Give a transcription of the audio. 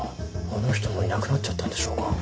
あの人もいなくなっちゃったんでしょうか？